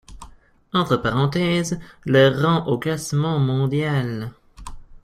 Entre parenthèses leur rang au classement mondial.